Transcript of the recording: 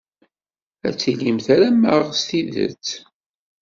Ad tilim tram-aɣ s tidet.